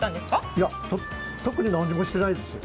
いや、特に何もしてないです。